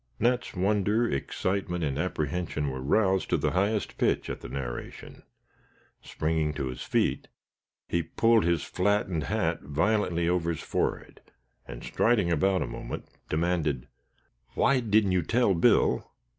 Nat's wonder, excitement, and apprehension were roused to the highest pitch at the narration. Springing to his feet, he pulled his flattened hat violently over his forehead, and striding about a moment, demanded: "Why didn't you tell Bill?